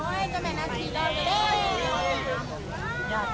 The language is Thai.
โอ้ยจะแม่นาทีแล้วกันด้วย